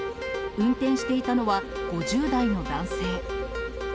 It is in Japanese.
運転していたのは、５０代の男性。